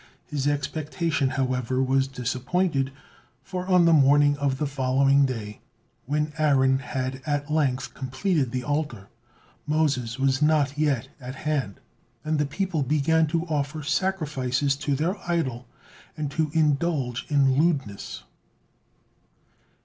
His expectation, however, was disappointed, for on the morning of the following day, when Aaron had at length completed the altar, Moses was not yet at hand, and the people began to offer sacrifices to their idol, and to indulge in lewdness.